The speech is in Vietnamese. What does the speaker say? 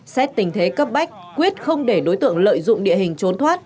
xét tình thế cấp bách quyết không để đối tượng lợi dụng địa hình trốn thoát